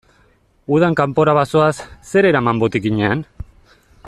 Udan kanpora bazoaz, zer eraman botikinean?